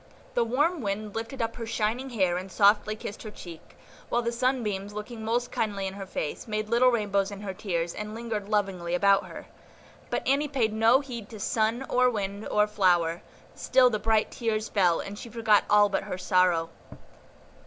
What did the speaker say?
The warm wind lifted up her shining hair and softly kissed her cheek, while the sunbeams, looking most kindly in her face, made little rainbows in her tears, and lingered lovingly about her. But Annie paid no heed to sun, or wind, or flower; still the bright tears fell, and she forgot all but her sorrow.